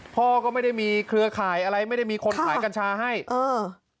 พ่อก็ไม่ได้มีเครือข่ายอะไรไม่ได้มีคนขายกัญชาให้เออ